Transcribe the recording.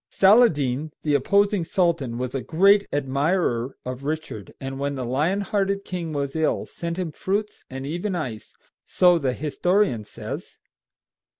Saladin, the opposing sultan, was a great admirer of Richard, and when the lion hearted king was ill, sent him fruits and even ice, so the historian says.